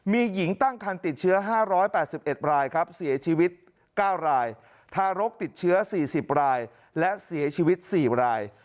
มีหญิงตั้งครรภ์ติดเชื้อ๕๘๑รายครับ